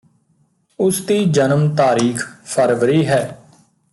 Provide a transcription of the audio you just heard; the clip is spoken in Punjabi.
ਉਸ ਦੀ ਜਨਮ ਤਾਰੀਖ ਫਰਵਰੀ ਹੈ